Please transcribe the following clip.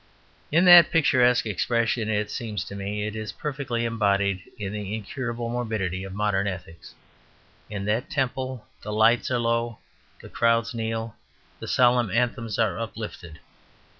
In that picturesque expression, it seems to me, is perfectly embodied the incurable morbidity of modern ethics. In that temple the lights are low, the crowds kneel, the solemn anthems are uplifted.